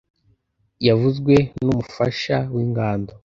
yavuzwe n’umufasha w’ingando,